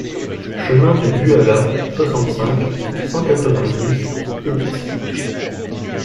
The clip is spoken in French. Chemin du Buala, soixante-cinq, cent quatre-vingt-dix Hitte